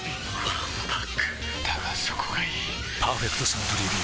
わんぱくだがそこがいい「パーフェクトサントリービール糖質ゼロ」